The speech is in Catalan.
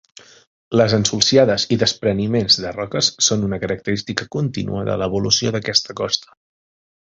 Les ensulsiades i despreniments de roques són una característica contínua de l'evolució d'aquesta costa.